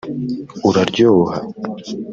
uraryoha